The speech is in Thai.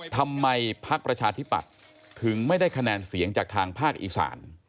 พักประชาธิปัตย์ถึงไม่ได้คะแนนเสียงจากทางภาคอีสาน